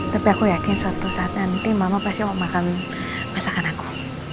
tapi aku yakin suatu saat nanti mama pasti mau makan masakan aku